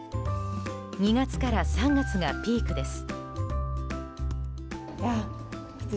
２月から３月がピークです。